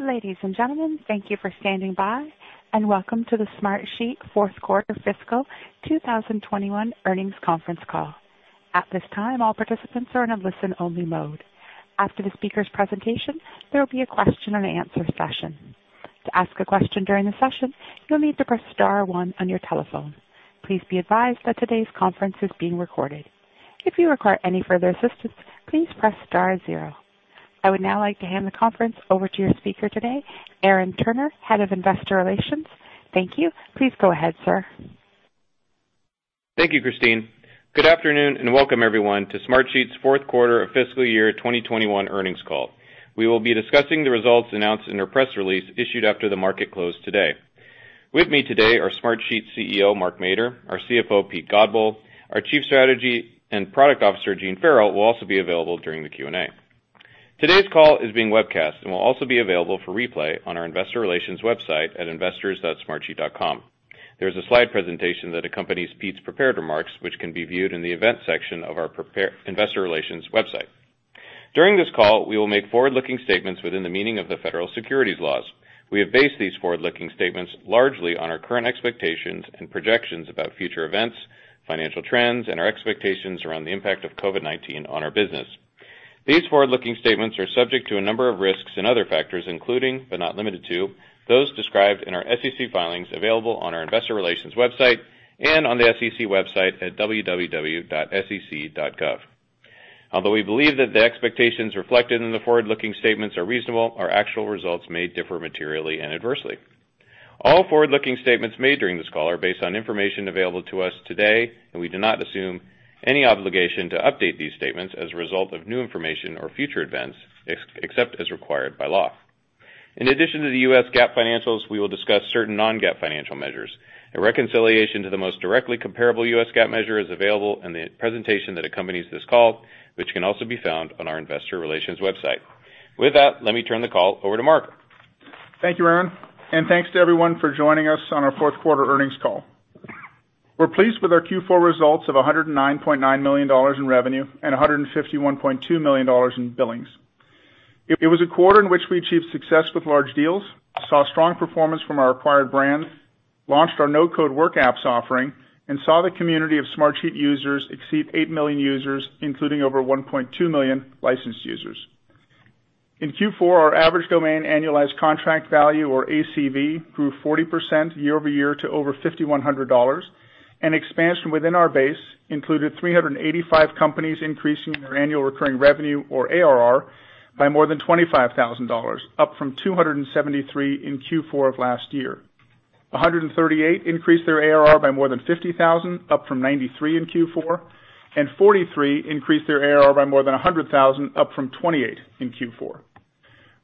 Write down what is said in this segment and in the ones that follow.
Ladies and gentlemen, thank you for standing by, and welcome to the Smartsheet fourth quarter fiscal 2021 earnings conference call. At this time, all participants are in a listen-only mode. After the speaker's presentation, there will be a question and answer session. To ask a question during the session, you'll need to press star one on your telephone. Please be advised that today's conference is being recorded. If you require any further assistance, please press star zero. I would now like to hand the conference over to your speaker today, Aaron Turner, Head of Investor Relations. Thank you. Please go ahead, sir. Thank you, Christine. Good afternoon, welcome everyone to Smartsheet's fourth quarter of fiscal year 2021 earnings call. We will be discussing the results announced in our press release issued after the market closed today. With me today are Smartsheet CEO, Mark Mader, our CFO, Pete Godbole. Our Chief Strategy and Product Officer, Gene Farrell, will also be available during the Q&A. Today's call is being webcast and will also be available for replay on our investor relations website at investors.smartsheet.com. There's a slide presentation that accompanies Pete's prepared remarks, which can be viewed in the event section of our investor relations website. During this call, we will make forward-looking statements within the meaning of the federal securities laws. We have based these forward-looking statements largely on our current expectations and projections about future events, financial trends, and our expectations around the impact of COVID-19 on our business. These forward-looking statements are subject to a number of risks and other factors, including, but not limited to, those described in our SEC filings available on our investor relations website and on the SEC website at www.sec.gov. Although we believe that the expectations reflected in the forward-looking statements are reasonable, our actual results may differ materially and adversely. All forward-looking statements made during this call are based on information available to us today. We do not assume any obligation to update these statements as a result of new information or future events, except as required by law. In addition to the U.S. GAAP financials, we will discuss certain non-GAAP financial measures. A reconciliation to the most directly comparable U.S. GAAP measure is available in the presentation that accompanies this call, which can also be found on our investor relations website. With that, let me turn the call over to Mark. Thank you, Aaron, and thanks to everyone for joining us on our fourth quarter earnings call. We are pleased with our Q4 results of $109.9 million in revenue and $151.2 million in billings. It was a quarter in which we achieved success with large deals, saw strong performance from our acquired brands, launched our no-code WorkApps offering, and saw the community of Smartsheet users exceed 8 million users, including over 1.2 million licensed users. In Q4, our average domain annualized contract value, or ACV, grew 40% year-over-year to over $5,100, and expansion within our base included 385 companies increasing their annual recurring revenue, or ARR, by more than $25,000, up from 273 in Q4 of last year. 138 increased their ARR by more than $50,000, up from 93 in Q4, and 43 increased their ARR by more than $100,000, up from 28 in Q4.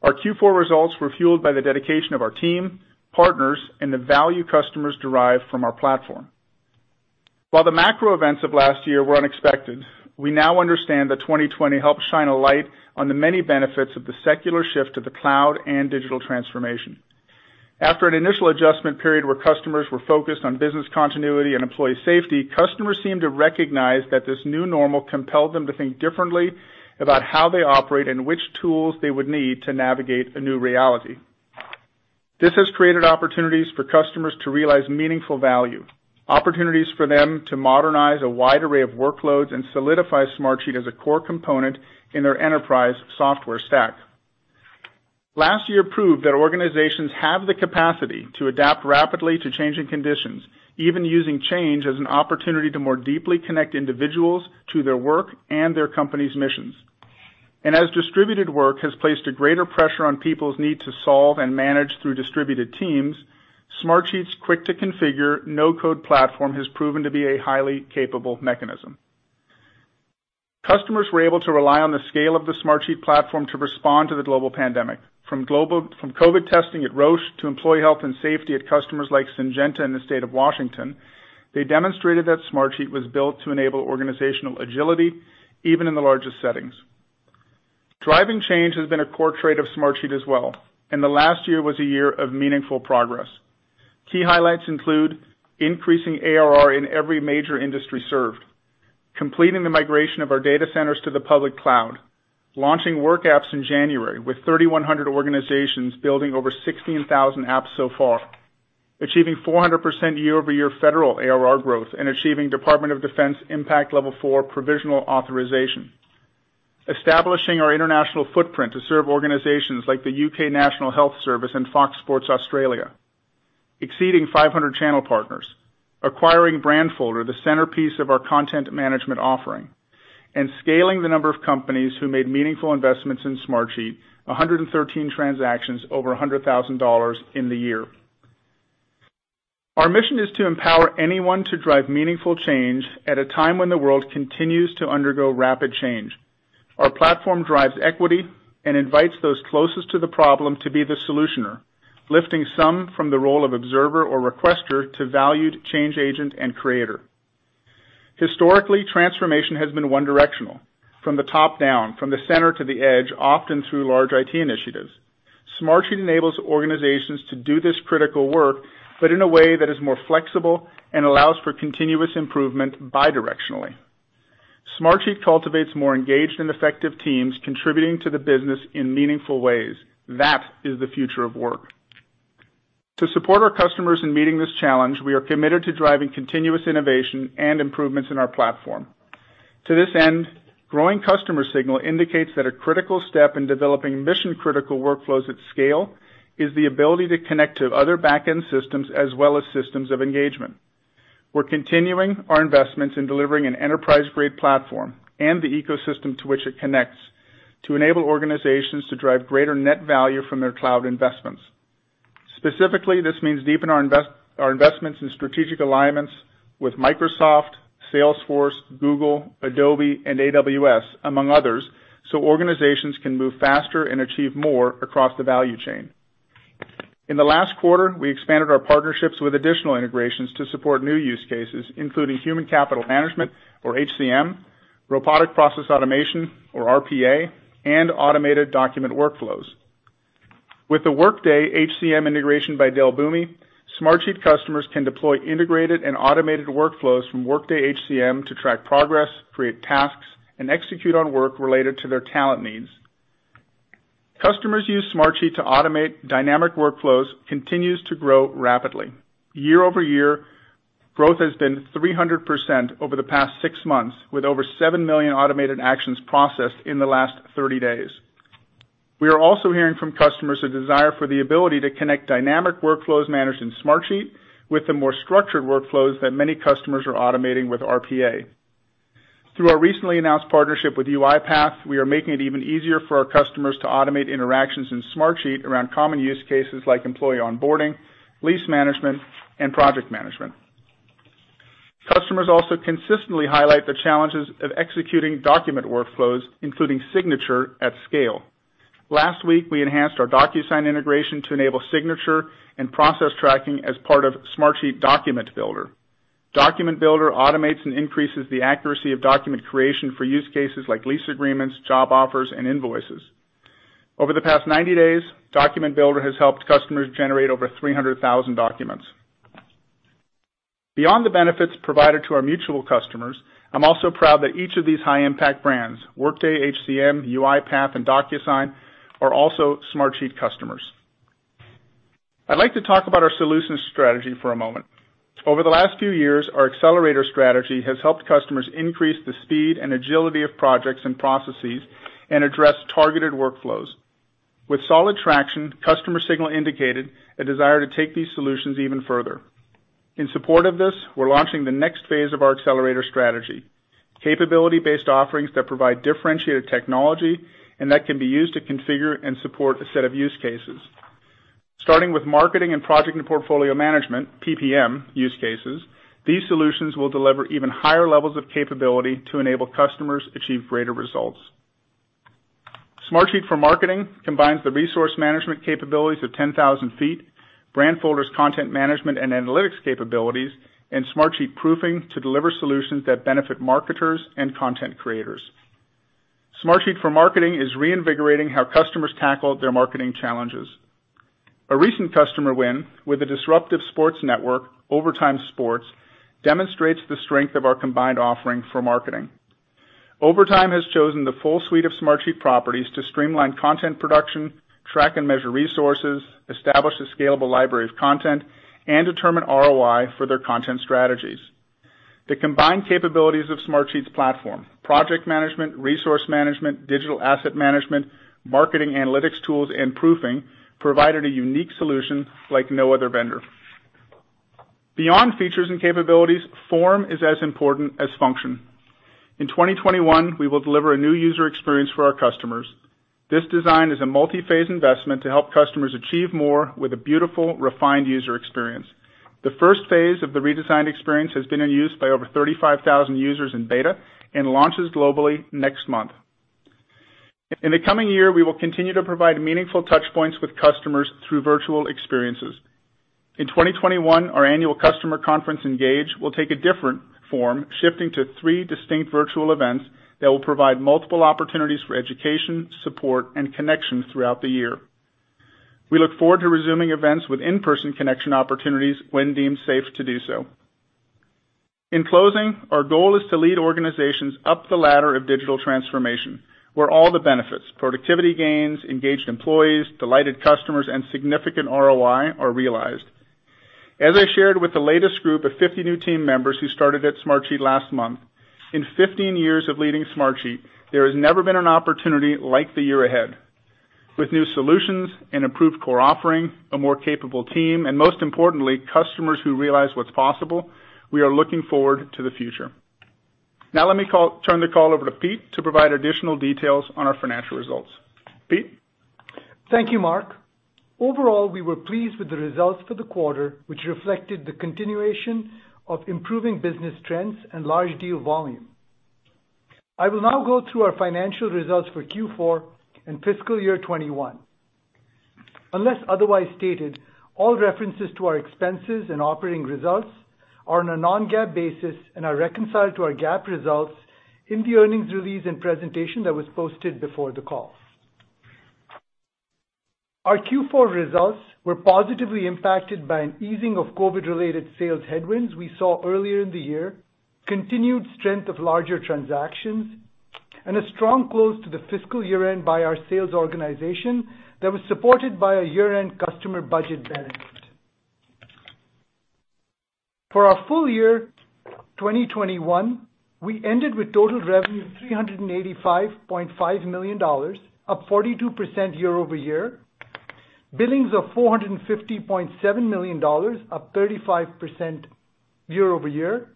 Our Q4 results were fueled by the dedication of our team, partners, and the value customers derive from our platform. The macro events of last year were unexpected, we now understand that 2020 helped shine a light on the many benefits of the secular shift to the cloud and digital transformation. After an initial adjustment period where customers were focused on business continuity and employee safety, customers seemed to recognize that this new normal compelled them to think differently about how they operate and which tools they would need to navigate a new reality. This has created opportunities for customers to realize meaningful value, opportunities for them to modernize a wide array of workloads, and solidify Smartsheet as a core component in their enterprise software stack. Last year proved that organizations have the capacity to adapt rapidly to changing conditions, even using change as an opportunity to more deeply connect individuals to their work and their company's missions. As distributed work has placed a greater pressure on people's need to solve and manage through distributed teams, Smartsheet's quick-to-configure, no-code platform has proven to be a highly capable mechanism. Customers were able to rely on the scale of the Smartsheet platform to respond to the global pandemic. From COVID testing at Roche to employee health and safety at customers like Syngenta in the state of Washington, they demonstrated that Smartsheet was built to enable organizational agility, even in the largest settings. Driving change has been a core trait of Smartsheet as well, and the last year was a year of meaningful progress. Key highlights include increasing ARR in every major industry served, completing the migration of our data centers to the public cloud, launching WorkApps in January with 3,100 organizations building over 16,000 apps so far, achieving 400% year-over-year federal ARR growth, and achieving Department of Defense Impact Level 4 provisional authorization. Establishing our international footprint to serve organizations like the U.K. National Health Service and Fox Sports Australia, exceeding 500 channel partners, acquiring Brandfolder, the centerpiece of our content management offering, and scaling the number of companies who made meaningful investments in Smartsheet, 113 transactions over $100,000 in the year. Our mission is to empower anyone to drive meaningful change at a time when the world continues to undergo rapid change. Our platform drives equity and invites those closest to the problem to be the solutioner, lifting some from the role of observer or requester to valued change agent and creator. Historically, transformation has been one-directional, from the top down, from the center to the edge, often through large IT initiatives. Smartsheet enables organizations to do this critical work, but in a way that is more flexible and allows for continuous improvement bidirectionally. Smartsheet cultivates more engaged and effective teams contributing to the business in meaningful ways. That is the future of work. To support our customers in meeting this challenge, we are committed to driving continuous innovation and improvements in our platform. To this end, growing customer signal indicates that a critical step in developing mission-critical workflows at scale is the ability to connect to other back-end systems as well as systems of engagement. We're continuing our investments in delivering an enterprise-grade platform and the ecosystem to which it connects to enable organizations to drive greater net value from their cloud investments. Specifically, this means deepen our investments in strategic alignments with Microsoft, Salesforce, Google, Adobe, and AWS, among others, so organizations can move faster and achieve more across the value chain. In the last quarter, we expanded our partnerships with additional integrations to support new use cases, including human capital management or HCM, robotic process automation or RPA, and automated document workflows. With the Workday HCM integration by Dell Boomi, Smartsheet customers can deploy integrated and automated workflows from Workday HCM to track progress, create tasks, and execute on work related to their talent needs. Customers use Smartsheet to automate dynamic workflows continues to grow rapidly. Year over year, growth has been 300% over the past six months with over 7 million automated actions processed in the last 30 days. We are also hearing from customers a desire for the ability to connect dynamic workflows managed in Smartsheet with the more structured workflows that many customers are automating with RPA. Through our recently announced partnership with UiPath, we are making it even easier for our customers to automate interactions in Smartsheet around common use cases like employee onboarding, lease management, and project management. Customers also consistently highlight the challenges of executing document workflows, including signature at scale. Last week, we enhanced our DocuSign integration to enable signature and process tracking as part of Smartsheet Document Builder. Document Builder automates and increases the accuracy of document creation for use cases like lease agreements, job offers, and invoices. Over the past 90 days, Document Builder has helped customers generate over 300,000 documents. Beyond the benefits provided to our mutual customers, I'm also proud that each of these high-impact brands, Workday, HCM, UiPath, and DocuSign, are also Smartsheet customers. I'd like to talk about our solutions strategy for a moment. Over the last few years, our accelerator strategy has helped customers increase the speed and agility of projects and processes and address targeted workflows. With solid traction, customer signal indicated a desire to take these solutions even further. In support of this, we're launching the next phase of our accelerator strategy, capability-based offerings that provide differentiated technology and that can be used to configure and support a set of use cases. Starting with marketing and project and portfolio management, PPM use cases, these solutions will deliver even higher levels of capability to enable customers achieve greater results. Smartsheet for Marketing combines the resource management capabilities of 10,000 ft, Brandfolder's content management and analytics capabilities, and Smartsheet Proofing to deliver solutions that benefit marketers and content creators. Smartsheet for Marketing is reinvigorating how customers tackle their marketing challenges. A recent customer win with a disruptive sports network, Overtime, demonstrates the strength of our combined offering for marketing. Overtime has chosen the full suite of Smartsheet properties to streamline content production, track and measure resources, establish a scalable library of content, and determine ROI for their content strategies. The combined capabilities of Smartsheet's platform, project management, resource management, digital asset management, marketing analytics tools, and proofing, provided a unique solution like no other vendor. Beyond features and capabilities, form is as important as function. In 2021, we will deliver a new user experience for our customers. This design is a multi-phase investment to help customers achieve more with a beautiful, refined user experience. The first phase of the redesigned experience has been in use by over 35,000 users in beta and launches globally next month. In the coming year, we will continue to provide meaningful touchpoints with customers through virtual experiences. In 2021, our annual customer conference, ENGAGE, will take a different form, shifting to three distinct virtual events that will provide multiple opportunities for education, support, and connections throughout the year. We look forward to resuming events with in-person connection opportunities when deemed safe to do so. In closing, our goal is to lead organizations up the ladder of digital transformation, where all the benefits, productivity gains, engaged employees, delighted customers, and significant ROI are realized. As I shared with the latest group of 50 new team members who started at Smartsheet last month, in 15 years of leading Smartsheet, there has never been an opportunity like the year ahead. With new solutions, an improved core offering, a more capable team, and most importantly, customers who realize what's possible, we are looking forward to the future. Now let me turn the call over to Pete to provide additional details on our financial results. Pete? Thank you, Mark. Overall, we were pleased with the results for the quarter, which reflected the continuation of improving business trends and large deal volume. I will now go through our financial results for Q4 and fiscal year 2021. Unless otherwise stated, all references to our expenses and operating results are on a non-GAAP basis and are reconciled to our GAAP results in the earnings release and presentation that was posted before the call. Our Q4 results were positively impacted by an easing of COVID-related sales headwinds we saw earlier in the year, continued strength of larger transactions, and a strong close to the fiscal year-end by our sales organization that was supported by a year-end customer budget benefit. For our full year 2021, we ended with total revenue of $385.5 million, up 42% year-over-year. Billings of $450.7 million, up 35% year-over-year.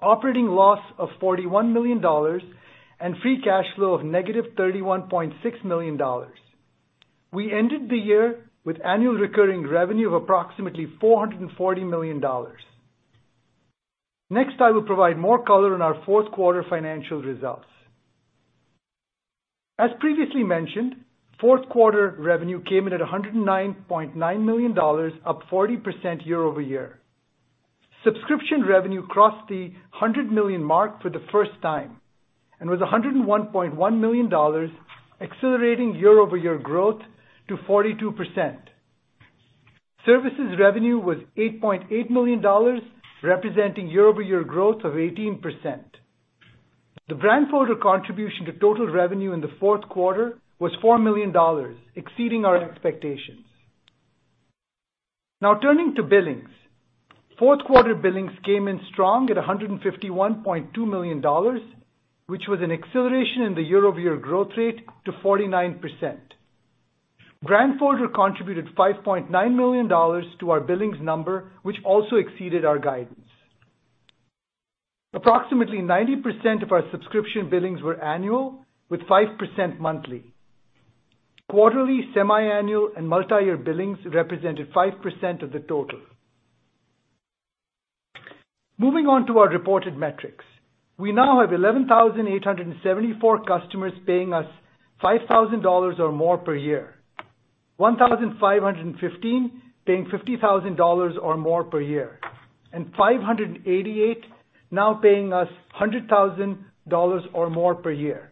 Operating loss of $41 million, and free cash flow of negative $31.6 million. We ended the year with annual recurring revenue of approximately $440 million. I will provide more color on our fourth quarter financial results. As previously mentioned, fourth quarter revenue came in at $109.9 million, up 40% year-over-year. Subscription revenue crossed the $100 million mark for the first time, and was $101.1 million, accelerating year-over-year growth to 42%. Services revenue was $8.8 million, representing year-over-year growth of 18%. The Brandfolder contribution to total revenue in the fourth quarter was $4 million, exceeding our expectations. Turning to billings. Fourth quarter billings came in strong at $151.2 million, which was an acceleration in the year-over-year growth rate to 49%. Brandfolder contributed $5.9 million to our billings number, which also exceeded our guidance. Approximately 90% of our subscription billings were annual, with 5% monthly. Quarterly, semiannual, and multi-year billings represented 5% of the total. Moving on to our reported metrics. We now have 11,874 customers paying us $5,000 or more per year. 1,515 paying $50,000 or more per year. 588 now paying us $100,000 or more per year.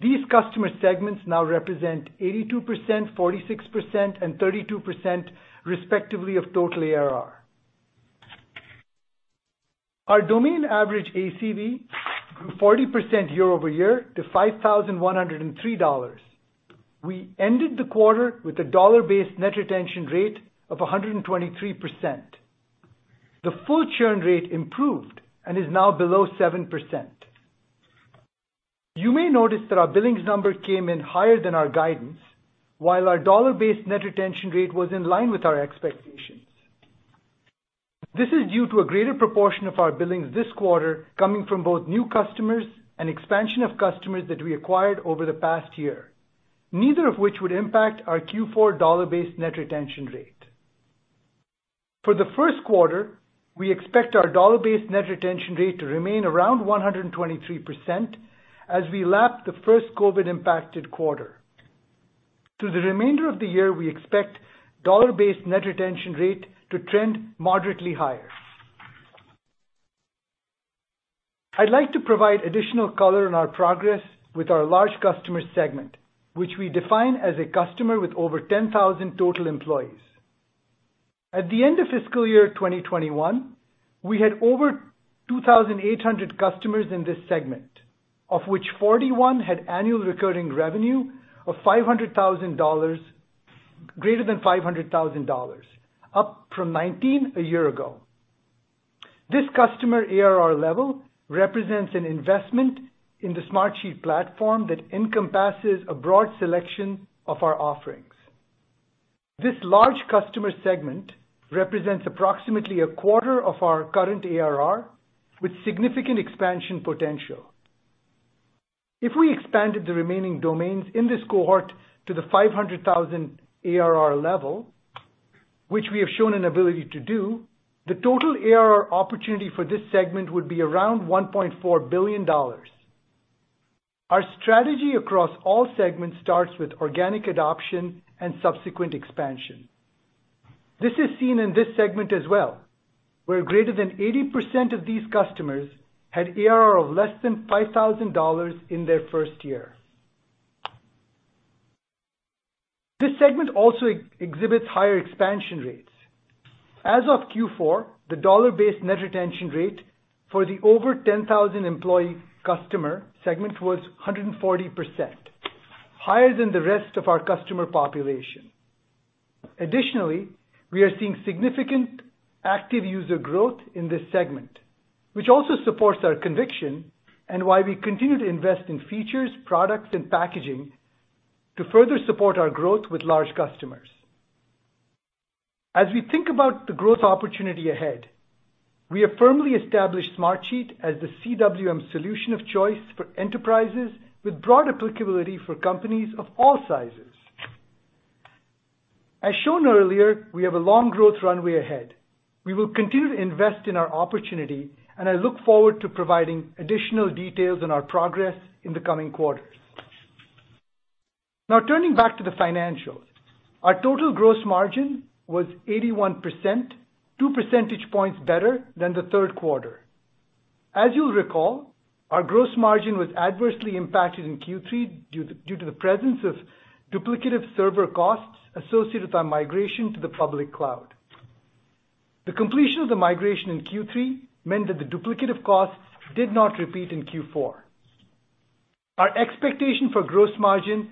These customer segments now represent 82%, 46%, and 32% respectively of total ARR. Our domain average ACV grew 40% year-over-year to $5,103. We ended the quarter with a dollar-based net retention rate of 123%. The full churn rate improved and is now below 7%. You may notice that our billings number came in higher than our guidance, while our dollar-based net retention rate was in line with our expectations. This is due to a greater proportion of our billings this quarter coming from both new customers and expansion of customers that we acquired over the past year, neither of which would impact our Q4 dollar-based net retention rate. For the first quarter, we expect our dollar-based net retention rate to remain around 123% as we lap the first COVID-19 impacted quarter. Through the remainder of the year, we expect dollar-based net retention rate to trend moderately higher. I'd like to provide additional color on our progress with our large customer segment, which we define as a customer with over 10,000 total employees. At the end of fiscal year 2021, we had over 2,800 customers in this segment, of which 41 had annual recurring revenue of greater than $500,000, up from 19 a year ago. This customer ARR level represents an investment in the Smartsheet platform that encompasses a broad selection of our offerings. This large customer segment represents approximately a quarter of our current ARR, with significant expansion potential. If we expanded the remaining domains in this cohort to the 500,000 ARR level, which we have shown an ability to do, the total ARR opportunity for this segment would be around $1.4 billion. Our strategy across all segments starts with organic adoption and subsequent expansion. This is seen in this segment as well, where greater than 80% of these customers had ARR of less than $5,000 in their first year. This segment also exhibits higher expansion rates. As of Q4, the dollar-based net retention rate for the over 10,000 employee customer segment was 140%, higher than the rest of our customer population. Additionally, we are seeing significant active user growth in this segment, which also supports our conviction and why we continue to invest in features, products, and packaging to further support our growth with large customers. As we think about the growth opportunity ahead, we have firmly established Smartsheet as the CWM solution of choice for enterprises with broad applicability for companies of all sizes. As shown earlier, we have a long growth runway ahead. We will continue to invest in our opportunity, and I look forward to providing additional details on our progress in the coming quarters. Now turning back to the financials. Our total gross margin was 81%, two percentage points better than the third quarter. As you'll recall, our gross margin was adversely impacted in Q3 due to the presence of duplicative server costs associated with our migration to the public cloud. The completion of the migration in Q3 meant that the duplicative costs did not repeat in Q4. Our expectation for gross margin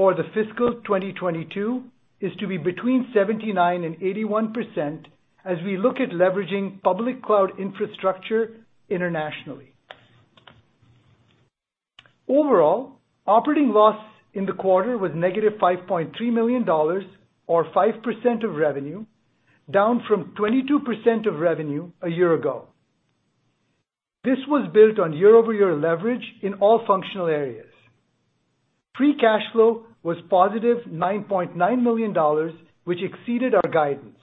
for the fiscal 2022 is to be between 79%-81% as we look at leveraging public cloud infrastructure internationally. Overall, operating loss in the quarter was negative $5.3 million or 5% of revenue, down from 22% of revenue a year ago. This was built on year-over-year leverage in all functional areas. Free cash flow was positive $9.9 million, which exceeded our guidance.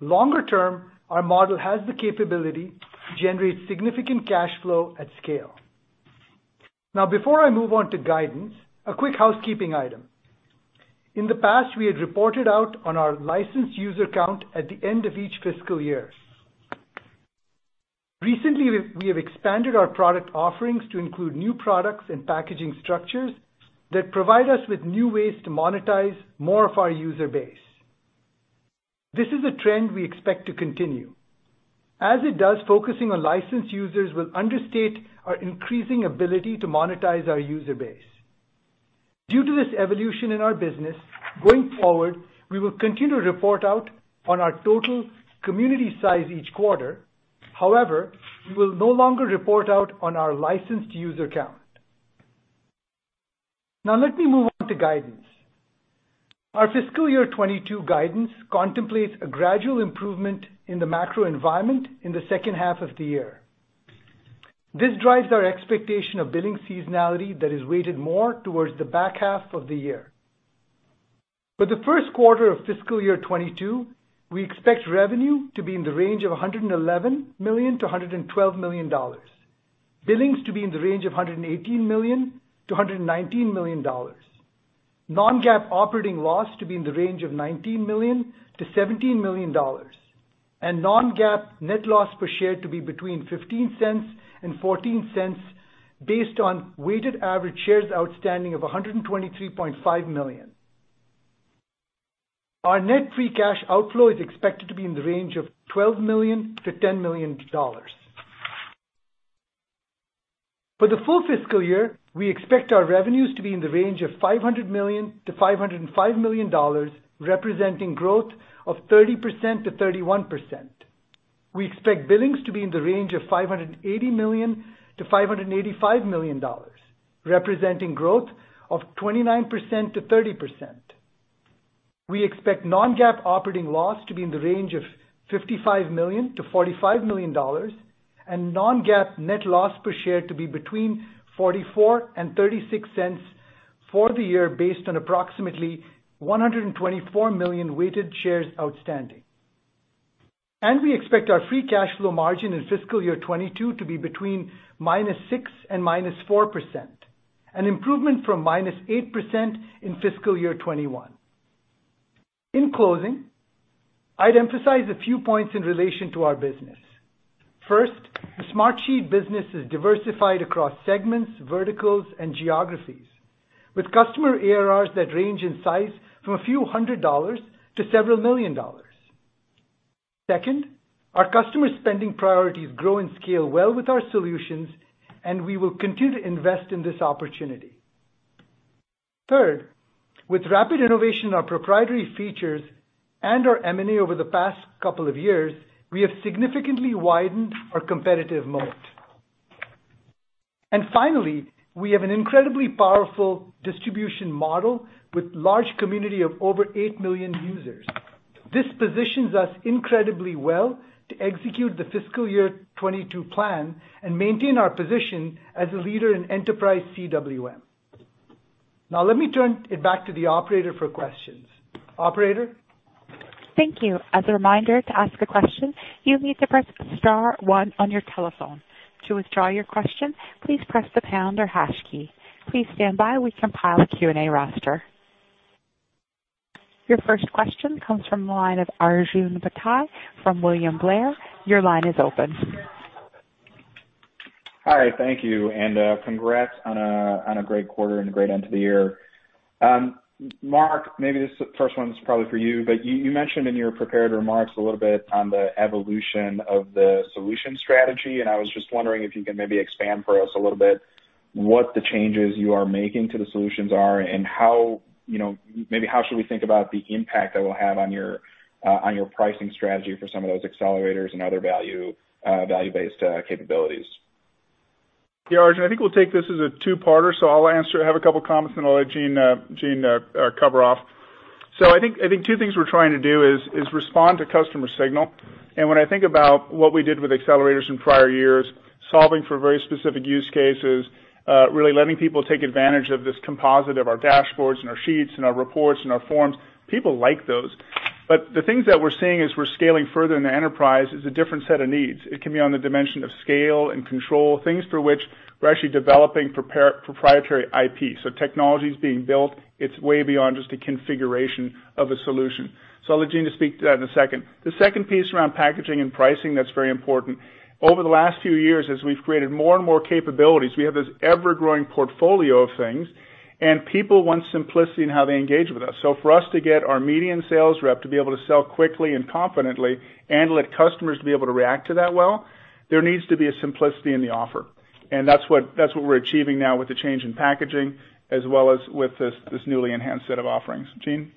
Longer term, our model has the capability to generate significant cash flow at scale. Before I move on to guidance, a quick housekeeping item. In the past, we had reported out on our licensed user count at the end of each fiscal year. Recently, we have expanded our product offerings to include new products and packaging structures that provide us with new ways to monetize more of our user base. This is a trend we expect to continue. As it does, focusing on licensed users will understate our increasing ability to monetize our user base. Due to this evolution in our business, going forward, we will continue to report out on our total community size each quarter. We will no longer report out on our licensed user count. Let me move on to guidance. Our fiscal year 2022 guidance contemplates a gradual improvement in the macro environment in the second half of the year. This drives our expectation of billing seasonality that is weighted more towards the back half of the year. For the first quarter of fiscal year 2022, we expect revenue to be in the range of $111 million-$112 million, billings to be in the range of $118 million-$119 million, non-GAAP operating loss to be in the range of $19 million-$17 million, and non-GAAP net loss per share to be between $0.15 and $0.14 based on weighted average shares outstanding of $122.5 million. Our net free cash outflow is expected to be in the range of $12 million-$10 million. For the full fiscal year, we expect our revenues to be in the range of $500 million-$505 million, representing growth of 30%-31%. We expect billings to be in the range of $580 million-$585 million, representing growth of 29%-30%. We expect non-GAAP operating loss to be in the range of $55 million-$45 million and non-GAAP net loss per share to be between $0.44 and $0.36 for the year based on approximately 124 million weighted shares outstanding. We expect our free cash flow margin in fiscal year 2022 to be between -6% and -4%, an improvement from -8% in fiscal year 2021. In closing, I'd emphasize a few points in relation to our business. First, the Smartsheet business is diversified across segments, verticals, and geographies with customer ARRs that range in size from a few hundred dollars to several million dollars. Second, our customer spending priorities grow and scale well with our solutions, and we will continue to invest in this opportunity. Third, with rapid innovation in our proprietary features and our M&A over the past couple of years, we have significantly widened our competitive moat. Finally, we have an incredibly powerful distribution model with large community of over 8 million users. This positions us incredibly well to execute the fiscal year 2022 plan and maintain our position as a leader in enterprise CWM. Now let me turn it back to the operator for questions. Operator? Thank you. Your first question comes from the line of Arjun Bhatia from William Blair. Your line is open. Hi. Thank you, and congrats on a great quarter and a great end to the year. Mark, maybe this first one is probably for you, but you mentioned in your prepared remarks a little bit on the evolution of the solution strategy, and I was just wondering if you could maybe expand for us a little bit what the changes you are making to the solutions are and maybe how should we think about the impact that will have on your pricing strategy for some of those accelerators and other value-based capabilities. Yeah, Arjun, I think we'll take this as a two-parter. I'll answer, I have a couple of comments, and then I'll let Gene cover off. I think two things we're trying to do is respond to customer signal. When I think about what we did with accelerators in prior years, solving for very specific use cases, really letting people take advantage of this composite of our dashboards and our sheets and our reports and our forms, people like those. The things that we're seeing as we're scaling further in the enterprise is a different set of needs. It can be on the dimension of scale and control, things for which we're actually developing proprietary IP. Technology's being built. It's way beyond just a configuration of a solution. I'll let Gene speak to that in a second. The second piece around packaging and pricing, that's very important. Over the last few years, as we've created more and more capabilities, we have this ever-growing portfolio of things, and people want simplicity in how they engage with us. For us to get our median sales rep to be able to sell quickly and confidently and let customers be able to react to that well, there needs to be a simplicity in the offer. That's what we're achieving now with the change in packaging, as well as with this newly enhanced set of offerings. Gene?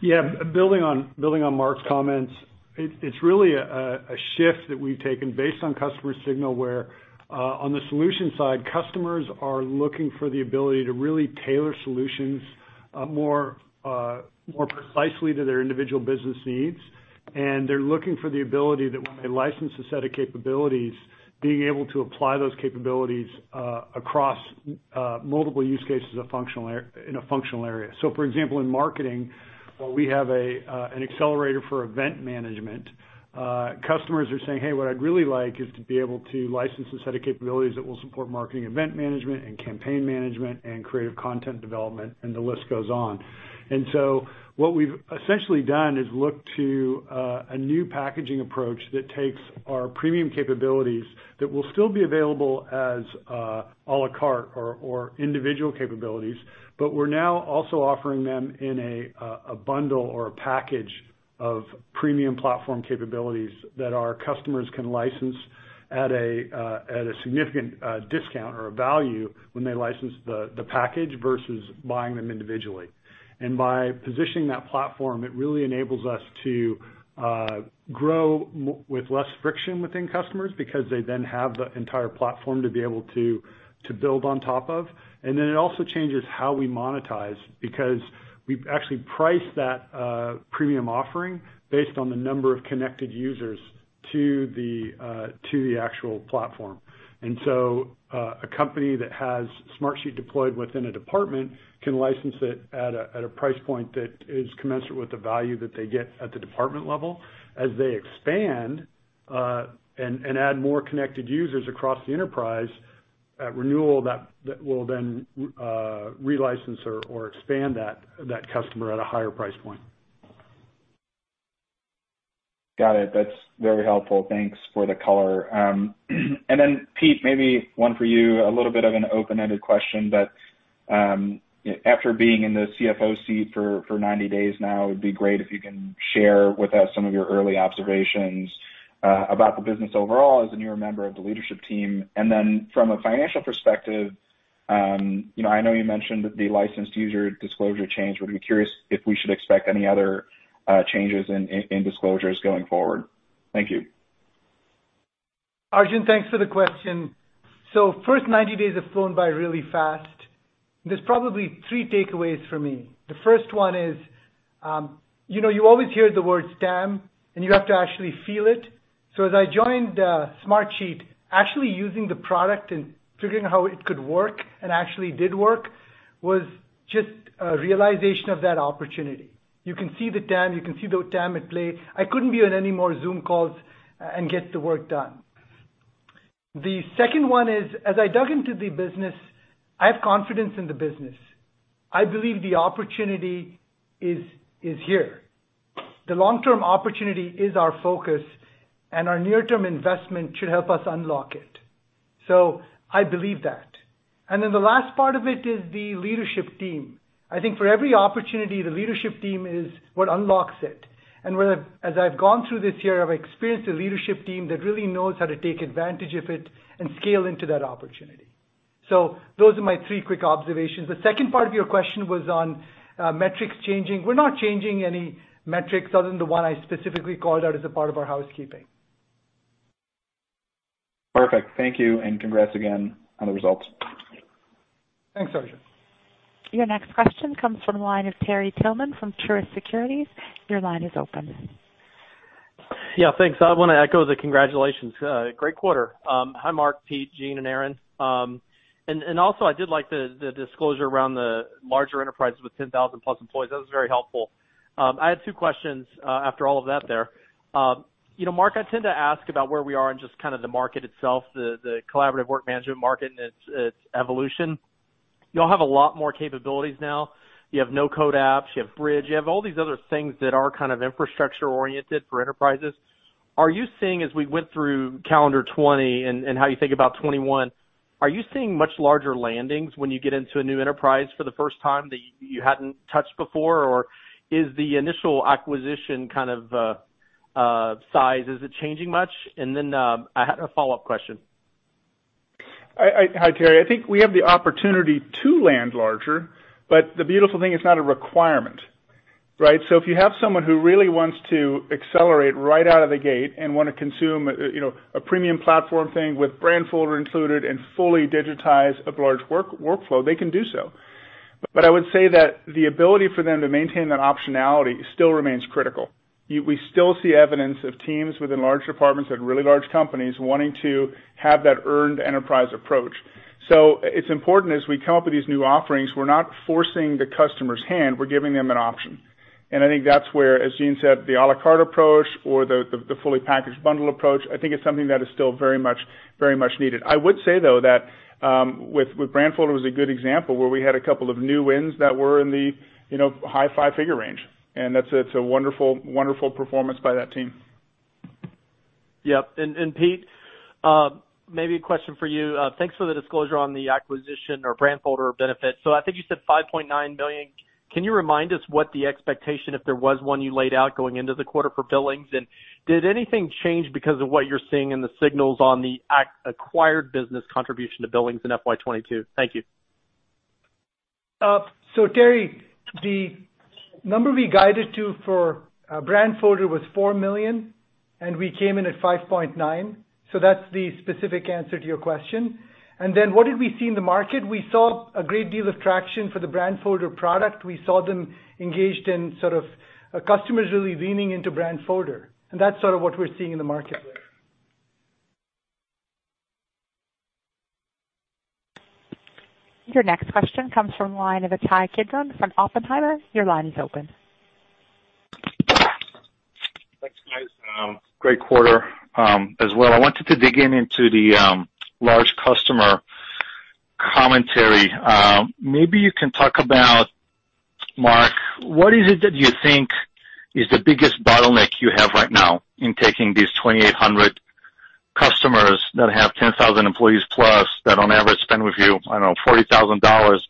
Yeah. Building on Mark's comments, it's really a shift that we've taken based on customer signal, where, on the solution side, customers are looking for the ability to really tailor solutions more precisely to their individual business needs. They're looking for the ability that when they license a set of capabilities, being able to apply those capabilities across multiple use cases in a functional area. For example, in marketing, we have an accelerator for event management. Customers are saying, "Hey, what I'd really like is to be able to license a set of capabilities that will support marketing event management and campaign management and creative content development," and the list goes on. What we've essentially done is look to a new packaging approach that takes our premium capabilities that will still be available as à la carte or individual capabilities. We're now also offering them in a bundle or a package of premium platform capabilities that our customers can license at a significant discount or a value when they license the package versus buying them individually. By positioning that platform, it really enables us to grow with less friction within customers because they then have the entire platform to be able to build on top of. It also changes how we monetize, because we've actually priced that premium offering based on the number of connected users to the actual platform. A company that has Smartsheet deployed within a department can license it at a price point that is commensurate with the value that they get at the department level. As they expand, and add more connected users across the enterprise, at renewal, that will then re-license or expand that customer at a higher price point. Got it. That's very helpful. Thanks for the color. Then Pete, maybe one for you. A little bit of an open-ended question, but, after being in the CFO seat for 90 days now, it would be great if you can share with us some of your early observations about the business overall as a newer member of the leadership team. Then from a financial perspective, I know you mentioned the licensed user disclosure change. Would be curious if we should expect any other changes in disclosures going forward. Thank you. Arjun, thanks for the question. First 90 days have flown by really fast. There's probably three takeaways for me. The first one is, you always hear the word TAM, and you have to actually feel it. As I joined Smartsheet, actually using the product and figuring how it could work and actually did work, was just a realization of that opportunity. You can see the TAM. You can see the TAM at play. I couldn't be on any more Zoom calls and get the work done. The second one is, as I dug into the business, I have confidence in the business. I believe the opportunity is here. The long-term opportunity is our focus, and our near-term investment should help us unlock it. I believe that. The last part of it is the leadership team. I think for every opportunity, the leadership team is what unlocks it. As I've gone through this year, I've experienced a leadership team that really knows how to take advantage of it and scale into that opportunity. Those are my three quick observations. The second part of your question was on metrics changing. We're not changing any metrics other than the one I specifically called out as a part of our housekeeping. Perfect. Thank you, and congrats again on the results. Thanks, Arjun. Your next question comes from the line of Terry Tillman from Truist Securities. Your line is open. Yeah, thanks. I want to echo the congratulations. Great quarter. Hi, Mark, Pete, Gene, and Aaron. I did like the disclosure around the larger enterprises with 10,000+ employees. That was very helpful. I had two questions after all of that there. Mark, I tend to ask about where we are in just kind of the market itself, the collaborative work management market and its evolution. You all have a lot more capabilities now. You have WorkApps, you have Bridge, you have all these other things that are kind of infrastructure-oriented for enterprises. Are you seeing as we went through calendar 2020 and how you think about 2021, are you seeing much larger landings when you get into a new enterprise for the first time that you hadn't touched before? Or is the initial acquisition kind of size, is it changing much? I had a follow-up question. Hi, Terry. I think we have the opportunity to land larger, but the beautiful thing, it's not a requirement, right? If you have someone who really wants to accelerate right out of the gate and want to consume a premium platform thing with Brandfolder included and fully digitize a large workflow, they can do so. I would say that the ability for them to maintain that optionality still remains critical. We still see evidence of teams within large departments at really large companies wanting to have that earned enterprise approach. It's important as we come up with these new offerings, we're not forcing the customer's hand, we're giving them an option. I think that's where, as Gene said, the à la carte approach or the fully packaged bundle approach, I think it's something that is still very much needed. I would say, though, that with Brandfolder was a good example, where we had a couple of new wins that were in the high five-figure range. That's a wonderful performance by that team. Yep. Pete, maybe a question for you. Thanks for the disclosure on the acquisition or Brandfolder benefit. I think you said $5.9 million. Can you remind us what the expectation, if there was one you laid out going into the quarter for billings, and did anything change because of what you're seeing in the signals on the acquired business contribution to billings in FY 2022? Thank you. Terry, the number we guided to for Brandfolder was $4 million, and we came in at $5.9 million. That's the specific answer to your question. What did we see in the market? We saw a great deal of traction for the Brandfolder product. We saw them engaged in sort of customers really leaning into Brandfolder. That's sort of what we're seeing in the market there. Your next question comes from the line of Ittai Kidron from Oppenheimer. Your line is open. Thanks, guys. Great quarter as well. I wanted to dig in into the large customer commentary. Maybe you can talk about, Mark, what is it that you think is the biggest bottleneck you have right now in taking these 2,800 customers that have 10,000 employees plus, that on average spend with you, I don't know, $40,000,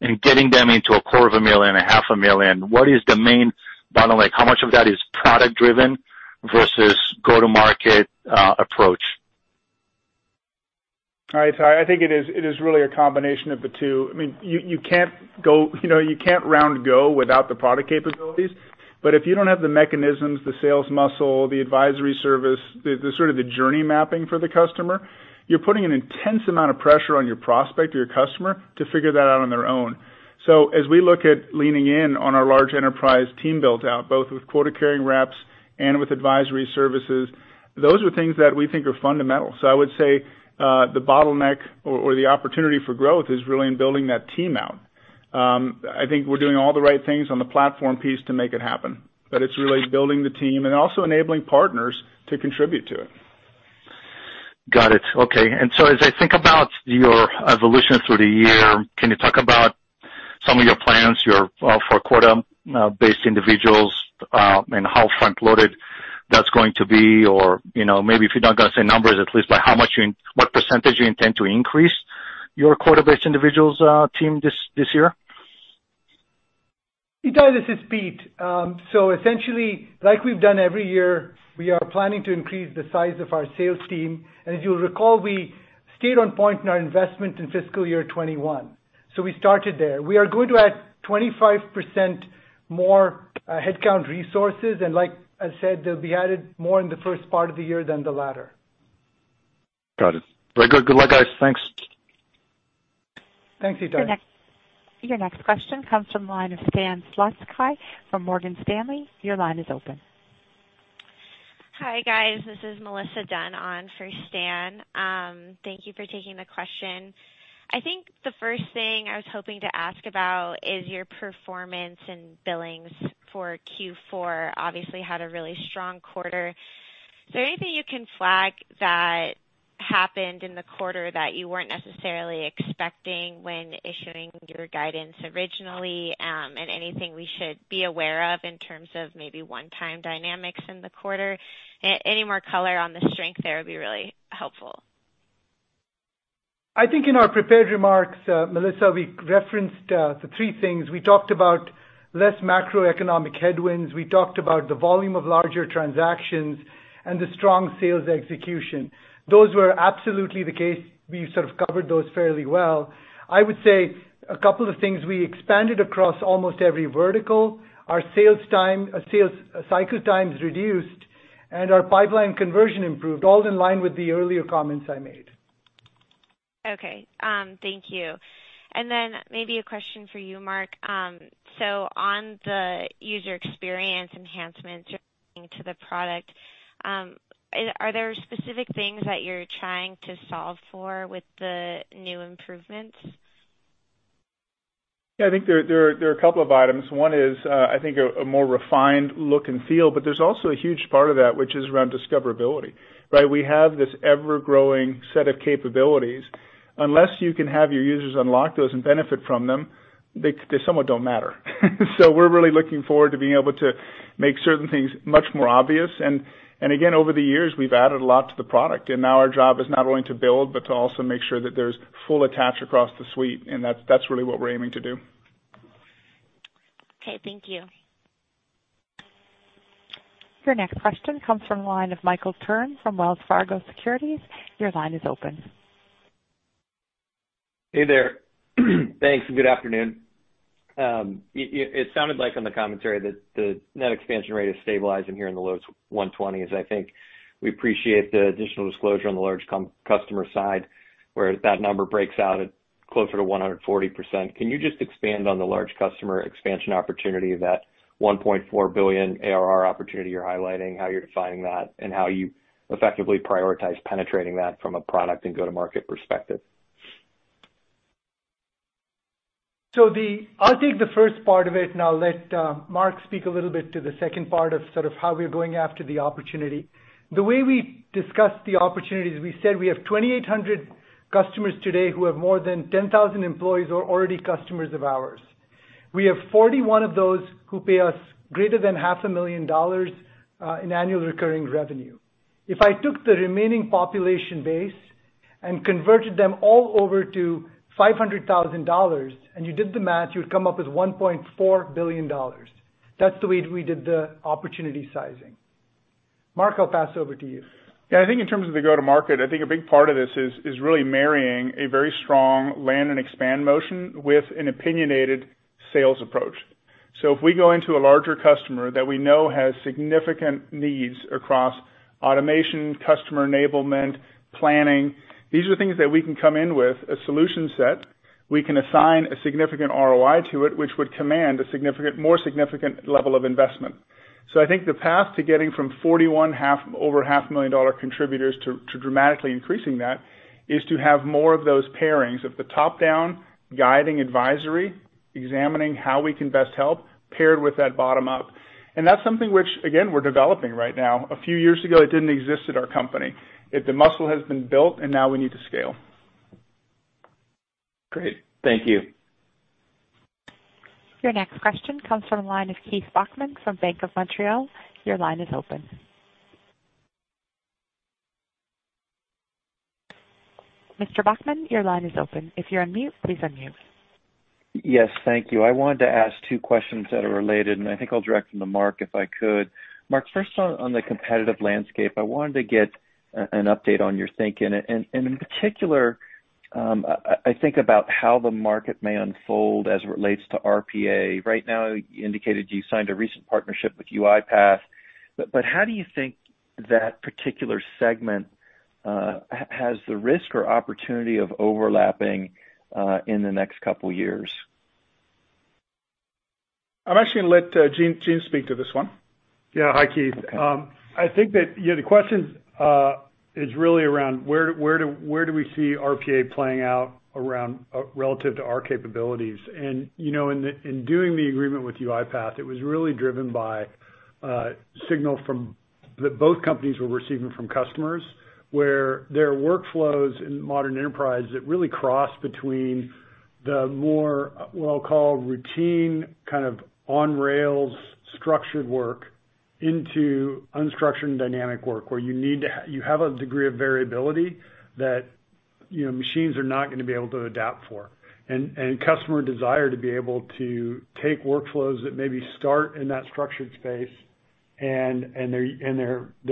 and getting them into a .25 million, a .5 million? What is the main bottleneck? How much of that is product driven versus go-to market approach? All right, Ittai. I think it is really a combination of the two. You can't run and grow without the product capabilities. If you don't have the mechanisms, the sales muscle, the advisory service, the sort of the journey mapping for the customer, you're putting an intense amount of pressure on your prospect or your customer to figure that out on their own. As we look at leaning in on our large enterprise team build-out, both with quota-carrying reps and with advisory services, those are things that we think are fundamental. I would say, the bottleneck or the opportunity for growth is really in building that team out. I think we're doing all the right things on the platform piece to make it happen, but it's really building the team and also enabling partners to contribute to it. Got it. Okay. As I think about your evolution through the year, can you talk about some of your plans for quota-based individuals, and how front-loaded that's going to be? Or maybe if you're not going to say numbers, at least by what percentage you intend to increase your quota-based individuals team this year? Ittai, this is Pete. Essentially, like we've done every year, we are planning to increase the size of our sales team. As you'll recall, we stayed on point in our investment in fiscal year 2021. We started there. We are going to add 25% more headcount resources, and like I said, they'll be added more in the first part of the year than the latter. Got it. Very good. Good luck, guys. Thanks. Thanks, Ittai. Your next question comes from the line of Stan Zlotsky from Morgan Stanley. Your line is open. Hi, guys. This is Melissa Dunn on for Stan. Thank you for taking the question. I think the first thing I was hoping to ask about is your performance and billings for Q4 obviously had a really strong quarter. Is there anything you can flag that happened in the quarter that you weren't necessarily expecting when issuing your guidance originally? Anything we should be aware of in terms of maybe one-time dynamics in the quarter? Any more color on the strength there would be really helpful. I think in our prepared remarks, Melissa, we referenced the three things. We talked about less macroeconomic headwinds, we talked about the volume of larger transactions, and the strong sales execution. Those were absolutely the case. We sort of covered those fairly well. I would say a couple of things. We expanded across almost every vertical. Our sales cycle time is reduced, and our pipeline conversion improved, all in line with the earlier comments I made. Okay. Thank you. Then maybe a question for you, Mark. On the user experience enhancements to the product, are there specific things that you're trying to solve for with the new improvements? Yeah, I think there are a couple of items. One is, I think a more refined look and feel. There's also a huge part of that, which is around discoverability, right? We have this ever-growing set of capabilities. Unless you can have your users unlock those and benefit from them, they somewhat don't matter. We're really looking forward to being able to make certain things much more obvious. Again, over the years, we've added a lot to the product, and now our job is not only to build, but to also make sure that there's full attach across the suite, and that's really what we're aiming to do. Okay, thank you. Your next question comes from the line of Michael Turrin from Wells Fargo Securities. Your line is open. Hey there. Thanks, good afternoon. It sounded like on the commentary that the net expansion rate is stabilizing here in the low 120s. I think we appreciate the additional disclosure on the large customer side, where that number breaks out at closer to 140%. Can you just expand on the large customer expansion opportunity, that $1.4 billion ARR opportunity you're highlighting, how you're defining that, and how you effectively prioritize penetrating that from a product and go-to-market perspective? I'll take the first part of it, and I'll let Mark speak a little bit to the second part of how we're going after the opportunity. The way we discussed the opportunities, we said we have 2,800 customers today who have more than 10,000 employees, are already customers of ours. We have 41 of those who pay us greater than half a million dollars in annual recurring revenue. If I took the remaining population base and converted them all over to $500,000, and you did the math, you would come up with $1.4 billion. That's the way we did the opportunity sizing. Mark, I'll pass over to you. Yeah, I think in terms of the go-to-market, I think a big part of this is really marrying a very strong land-and-expand motion with an opinionated sales approach. If we go into a larger customer that we know has significant needs across automation, customer enablement, planning, these are the things that we can come in with, a solution set. We can assign a significant ROI to it, which would command a more significant level of investment. I think the path to getting from 41 over half a million dollar contributors to dramatically increasing that, is to have more of those pairings of the top-down guiding advisory, examining how we can best help, paired with that bottom-up. That's something which, again, we're developing right now. A few years ago, it didn't exist at our company. The muscle has been built. Now we need to scale. Great. Thank you. Your next question comes from the line of Keith Bachman from Bank of Montreal. Your line is open. Mr. Bachman, your line is open. If you're on mute, please unmute. Yes. Thank you. I wanted to ask two questions that are related, and I think I'll direct them to Mark, if I could. Mark, first on the competitive landscape, I wanted to get an update on your thinking. In particular, I think about how the market may unfold as it relates to RPA. Right now, you indicated you signed a recent partnership with UiPath, but how do you think that particular segment has the risk or opportunity of overlapping in the next couple of years? I'm actually going to let Gene speak to this one. Yeah. Hi, Keith. Okay. I think that the question is really around where do we see RPA playing out relative to our capabilities. In doing the agreement with UiPath, it was really driven by signal that both companies were receiving from customers, where their workflows in modern enterprise that really cross between the more, what I'll call, routine, kind of on rails, structured work into unstructured dynamic work, where you have a degree of variability that machines are not going to be able to adapt for. Customer desire to be able to take workflows that maybe start in that structured space, and they're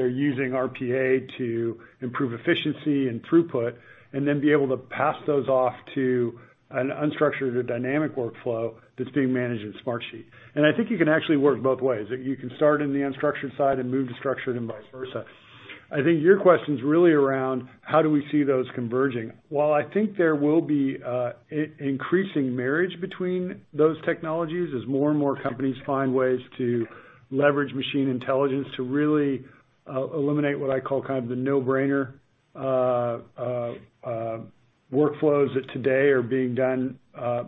using RPA to improve efficiency and throughput, and then be able to pass those off to an unstructured or dynamic workflow that's being managed in Smartsheet. I think you can actually work both ways. You can start in the unstructured side and move to structured, and vice versa. I think your question's really around how do we see those converging. While I think there will be increasing marriage between those technologies as more and more companies find ways to leverage machine intelligence to really eliminate what I call the no-brainer workflows that today are being done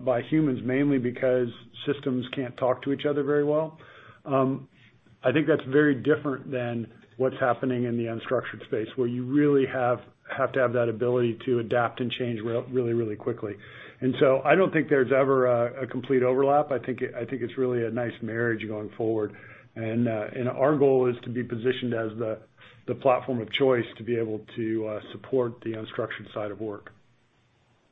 by humans, mainly because systems can't talk to each other very well. I think that's very different than what's happening in the unstructured space, where you really have to have that ability to adapt and change really quickly. I don't think there's ever a complete overlap. I think it's really a nice marriage going forward. Our goal is to be positioned as the platform of choice to be able to support the unstructured side of work.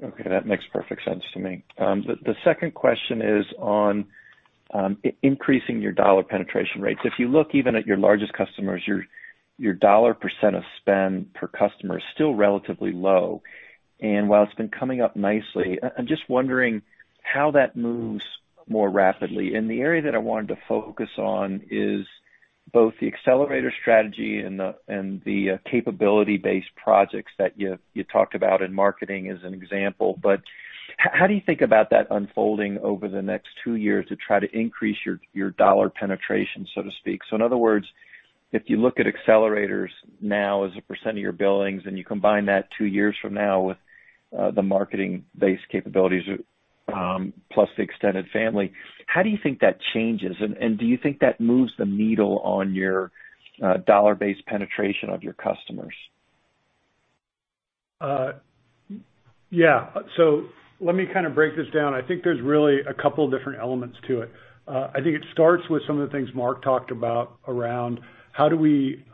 Okay. That makes perfect sense to me. The second question is on increasing your dollar penetration rates. If you look even at your largest customers, your dollar % of spend per customer is still relatively low. While it's been coming up nicely, I'm just wondering how that moves more rapidly. The area that I wanted to focus on is both the accelerator strategy and the capability-based projects that you talked about in marketing, as an example. How do you think about that unfolding over the next two years to try to increase your dollar penetration, so to speak? In other words, if you look at accelerators now as a % of your billings, and you combine that two years from now with the marketing-based capabilities, plus the extended family, how do you think that changes? Do you think that moves the needle on your dollar-based penetration of your customers? Yeah. Let me kind of break this down. I think there's really a couple different elements to it. I think it starts with some of the things Mark talked about around how do we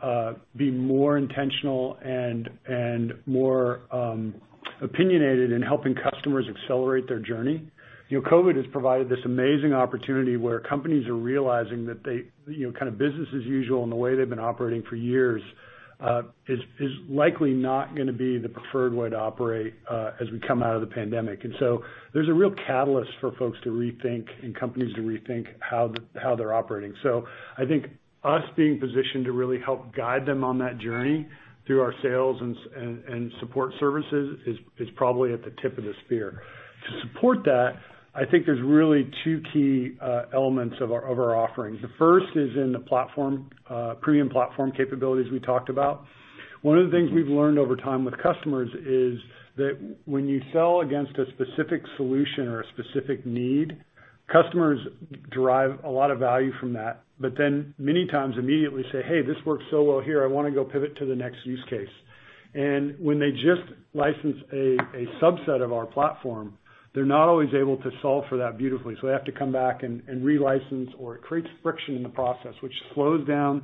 be more intentional and more opinionated in helping customers accelerate their journey. COVID has provided this amazing opportunity where companies are realizing that business as usual and the way they've been operating for years, is likely not going to be the preferred way to operate as we come out of the pandemic. There's a real catalyst for folks to rethink, and companies to rethink how they're operating. I think us being positioned to really help guide them on that journey through our sales and support services is probably at the tip of the spear. To support that, I think there's really two key elements of our offerings. The first is in the premium platform capabilities we talked about. One of the things we've learned over time with customers is that when you sell against a specific solution or a specific need, customers derive a lot of value from that. Many times immediately say, "Hey, this works so well here. I want to go pivot to the next use case." When they just license a subset of our platform, they're not always able to solve for that beautifully. They have to come back and relicense, or it creates friction in the process, which slows down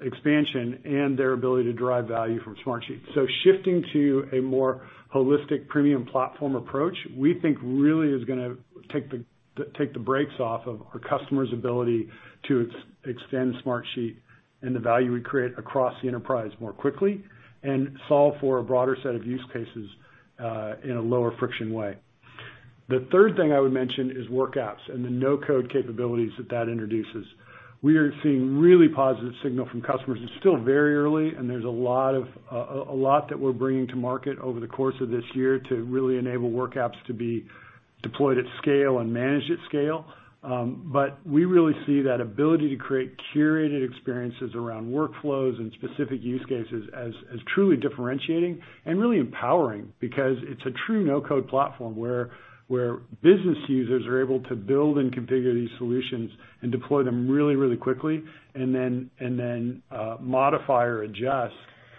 expansion and their ability to derive value from Smartsheet. Shifting to a more holistic premium platform approach, we think really is going to take the brakes off of our customers' ability to extend Smartsheet and the value we create across the enterprise more quickly and solve for a broader set of use cases in a lower friction way. The third thing I would mention is WorkApps and the no-code capabilities that introduces. We are seeing really positive signal from customers. It's still very early, and there's a lot that we're bringing to market over the course of this year to really enable WorkApps to be deployed at scale and managed at scale. We really see that ability to create curated experiences around workflows and specific use cases as truly differentiating and really empowering because it's a true no-code platform where business users are able to build and configure these solutions and deploy them really quickly, and then modify or adjust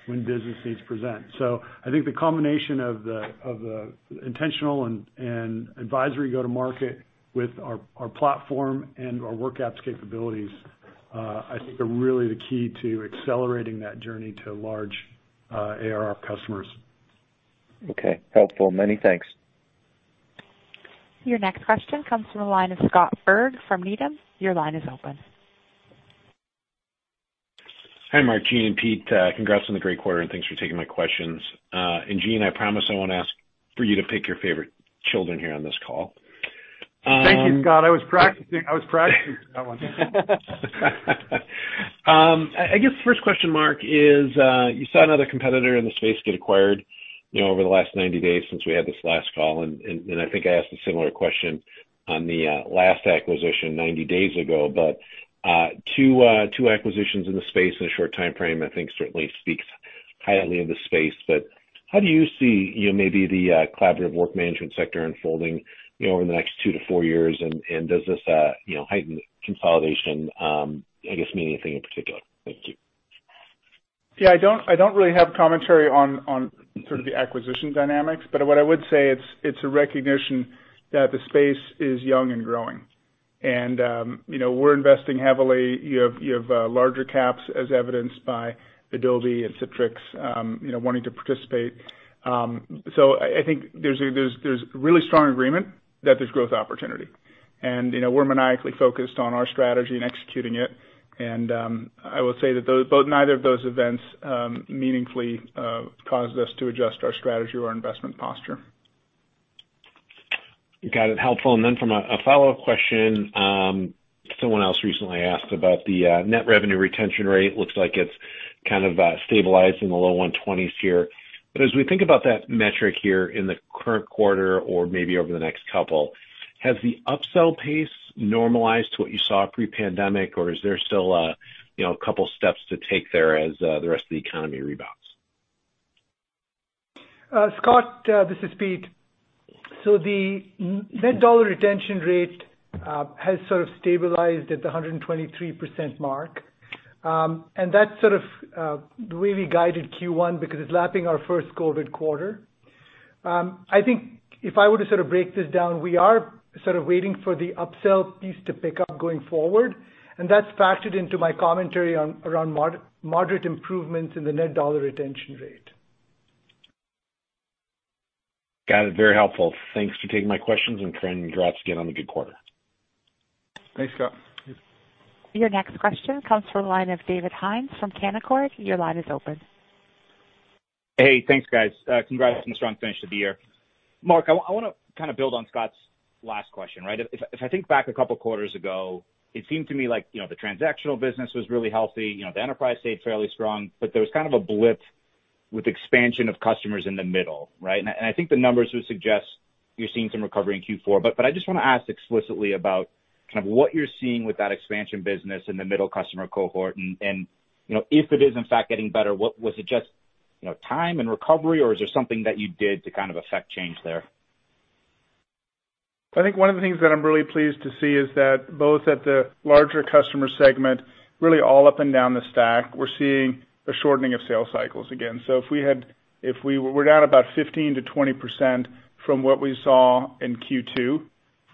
when business needs present. I think the combination of the intentional and advisory go to market with our platform and our WorkApps capabilities, I think are really the key to accelerating that journey to large ARR customers. Okay. Helpful. Many thanks. Your next question comes from the line of Scott Berg from Needham. Your line is open. Hi, Mark, Gene, Pete. Congrats on the great quarter, and thanks for taking my questions. Gene, I promise I won't ask for you to pick your favorite children here on this call. Thank you, Scott. I was practicing for that one. I guess first question, Mark, is, you saw another competitor in the space get acquired, over the last 90 days since we had this last call, and I think I asked a similar question on the last acquisition 90 days ago. Two acquisitions in the space in a short timeframe, I think certainly speaks highly of the space. How do you see maybe the collaborative work management sector unfolding over the next two to four years? Does this heightened consolidation, I guess, mean anything in particular? Thank you. Yeah, I don't really have commentary on sort of the acquisition dynamics, but what I would say it's a recognition that the space is young and growing. We're investing heavily. You have larger caps as evidenced by Adobe and Citrix wanting to participate. I think there's really strong agreement that there's growth opportunity. We're maniacally focused on our strategy and executing it, and I will say that neither of those events meaningfully caused us to adjust our strategy or investment posture. Got it. Helpful. From a follow-up question, someone else recently asked about the net revenue retention rate. Looks like it's kind of stabilized in the low 120s here. As we think about that metric here in the current quarter or maybe over the next couple, has the upsell pace normalized to what you saw pre-pandemic, or is there still a couple of steps to take there as the rest of the economy rebounds? Scott, this is Pete. The net dollar retention rate has sort of stabilized at the 123% mark. That sort of really guided Q1 because it's lapping our first COVID quarter. I think if I were to sort of break this down, we are sort of waiting for the upsell piece to pick up going forward, and that's factored into my commentary around moderate improvements in the net dollar retention rate. Got it. Very helpful. Thanks for taking my questions, and congrats again on the good quarter. Thanks, Scott. Your next question comes from the line of David Hynes from Canaccord. Your line is open. Hey, thanks, guys. Congrats on the strong finish to the year. Mark, I want to kind of build on Scott's last question, right? If I think back a couple of quarters ago, it seemed to me like the transactional business was really healthy. The enterprise stayed fairly strong, but there was kind of a blip with expansion of customers in the middle, right? I think the numbers would suggest you're seeing some recovery in Q4. I just want to ask explicitly about kind of what you're seeing with that expansion business in the middle customer cohort. If it is in fact getting better, was it just time and recovery, or is there something that you did to kind of affect change there? I think one of the things that I'm really pleased to see is that both at the larger customer segment, really all up and down the stack, we're seeing a shortening of sales cycles again. We're down about 15%-20% from what we saw in Q2,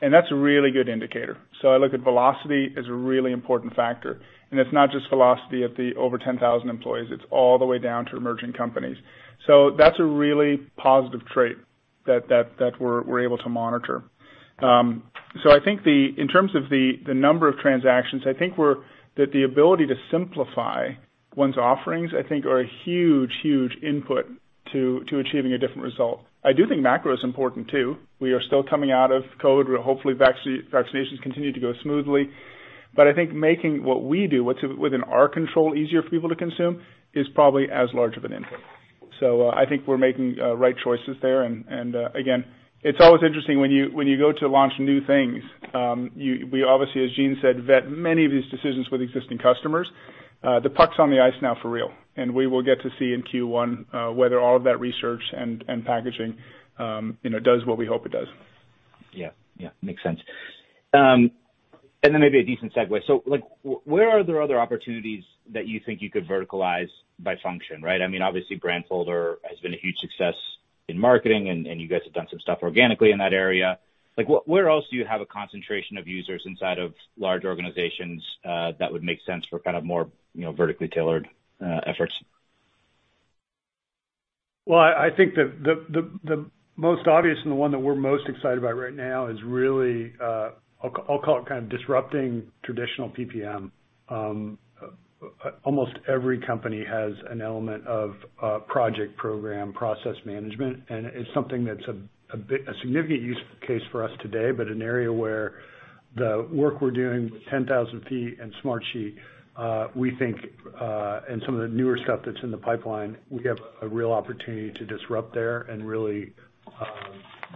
and that's a really good indicator. I look at velocity as a really important factor, and it's not just velocity at the over 10,000 employees, it's all the way down to emerging companies. That's a really positive trait that we're able to monitor. I think in terms of the number of transactions, I think that the ability to simplify one's offerings, I think are a huge input to achieving a different result. I do think macro is important too. We are still coming out of COVID-19, where hopefully vaccinations continue to go smoothly. I think making what we do within our control easier for people to consume is probably as large of an input. I think we're making the right choices there, and again, it's always interesting when you go to launch new things. We obviously, as Gene said, vet many of these decisions with existing customers. The puck's on the ice now for real, and we will get to see in Q1 whether all of that research and packaging does what we hope it does. Yeah. Makes sense. Maybe a decent segue. Where are there other opportunities that you think you could verticalize by function, right? Obviously, Brandfolder has been a huge success in marketing, and you guys have done some stuff organically in that area. Where else do you have a concentration of users inside of large organizations that would make sense for more vertically tailored efforts? Well, I think the most obvious and the one that we're most excited about right now is really, I'll call it kind of disrupting traditional PPM. Almost every company has an element of project program process management, and it's something that's a significant use case for us today, but an area where the work we're doing with 10,000 ft and Smartsheet, we think, and some of the newer stuff that's in the pipeline, we have a real opportunity to disrupt there and really